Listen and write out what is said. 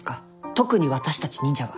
特に私たち忍者は。